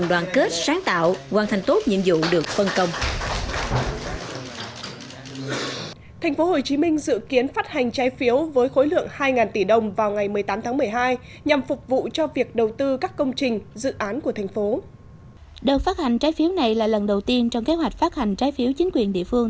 đợt phát hành trái phiếu này là lần đầu tiên trong kế hoạch phát hành trái phiếu chính quyền địa phương